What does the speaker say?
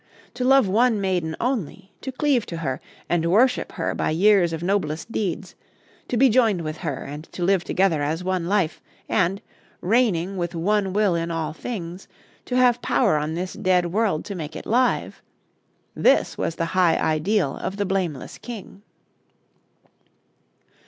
To love one maiden only, to cleave to her and worship her by years of noblest deeds, to be joined with her and to live together as one life, and, reigning with one will in all things, to have power on this dead world to make it live, this was the high ideal of the blameless King.